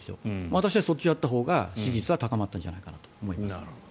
私はそっちをやったほうが支持率が高まったんじゃないかなと。